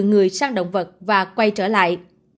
những người sát động vật và quay trở lại